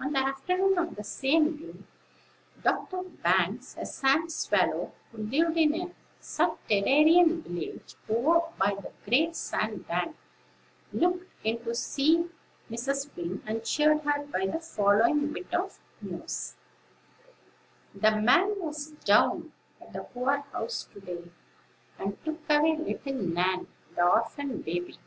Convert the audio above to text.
On the afternoon of the same day, Dr. Banks, a sand swallow, who lived in a subterranean village over by the great sand bank, looked in to see Mrs. Wing, and cheered her by the following bit of news: "The man was down at the poor house to day, and took away little Nan, the orphan baby.